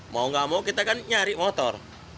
mau gak mau kita kan nyari motor